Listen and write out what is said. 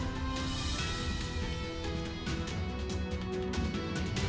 dan selanjutnya mari kita pantau bersama posisi